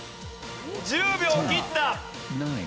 １０秒切った！